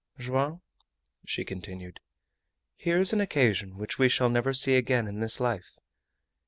"Joam," she continued, "here is an occasion which we shall never see again in this life.